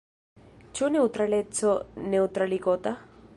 Ĉu neŭtraleco neŭtraligota?